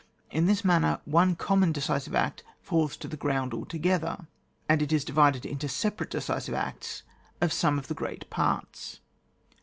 In this manner one com mon decisive act falls to the ground al together, and it is divided into separate decisive acts of some of the great parts.